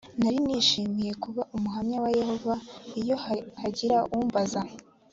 nari nishimiye kuba umuhamya wa yehova iyo hagiraga umbaza